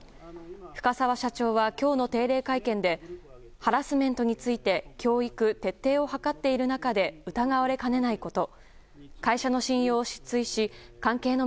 深澤社長は今日の定例会見でハラスメントについて教育・徹底を図っている中で疑われかねないこと。